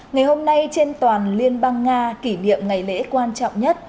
ngày hôm nay trên toàn liên bang nga kỷ niệm ngày lễ quan trọng nhất